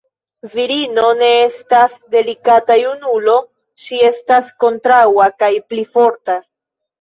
Virino ne estas delikata junulo, ŝi estas kontraŭa kaj pli forta.